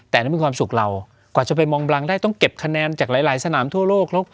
แต่นั้นมีความสุขเรากว่าจะไปมองบรังได้ต้องเก็บคะแนนจากหลายสนามทั่วโลก